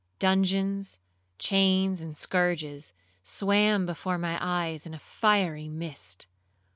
Dungeons, chains, and scourges, swam before my eyes in a fiery mist.